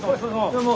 どうも！